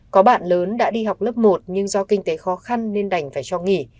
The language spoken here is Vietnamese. có bạn lớn đã đi học lớp một nhưng do kinh tế khó khăn nên đành phải cho nghỉ